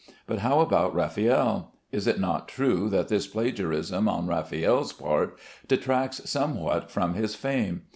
But how about Raffaelle? Is it not true that this plagiarism on Raffaelle's part detracts somewhat from his fame?